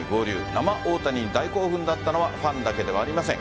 生大谷に大興奮だったのはファンだけではありません。